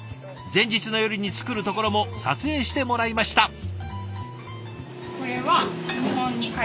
前日の夜に作るところも撮影してもらいました。